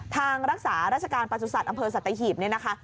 ทางรักษาราชการประสุทธิ์สัตว์อำเภอสัตว์ตะหิบนี่นะคะ